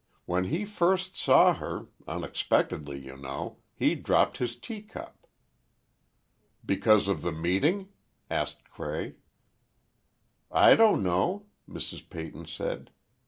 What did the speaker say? When he first saw her—unexpectedly, you know—he dropped his teacup." "Because of the meeting?" asked Cray. "I don't know," Mrs. Peyton said.